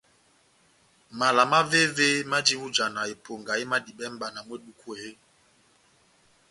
Mala mavéve maji ó ijana eponga emadibɛ mʼbana mú eduku eeeh ?